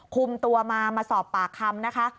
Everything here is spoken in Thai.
คุมตัวมามาสอบปากคำนะคะ